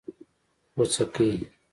🍄🟫 پوڅکي